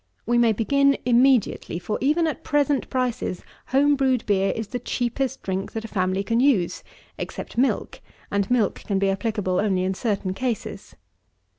We may begin immediately; for, even at present prices, home brewed beer is the cheapest drink that a family can use, except milk, and milk can be applicable only in certain cases.